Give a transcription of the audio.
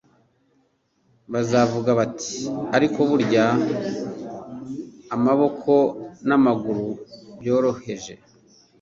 Bazavuga bati: "Ariko burya amaboko n'amaguru byoroheje!"